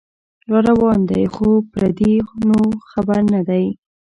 راروان دی خو پردې نو خبر نه دی